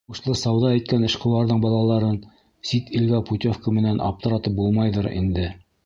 — Уңышлы сауҙа иткән эшҡыуарҙың балаларын сит илгә путевка менән аптыратып булмайҙыр инде...